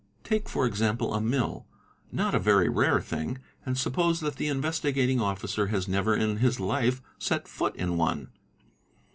Take for example a mill, not a very rare thing, and suppose that the Investigating Officer has never in his life set foot in one.